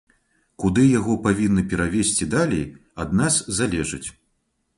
Куды яго павінны перавесці далей, ад нас залежыць.